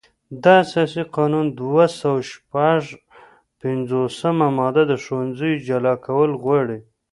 د اساسي قانون دوه سوه شپږ پنځوسمه ماده د ښوونځیو جلا کول غواړي.